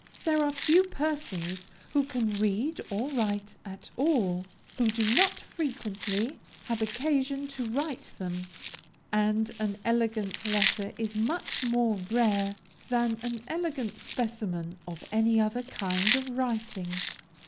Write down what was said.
There are few persons, who can read or write at all, who do not frequently have occasion to write them; and an elegant letter is much more rare than an elegant specimen of any other kind of writing.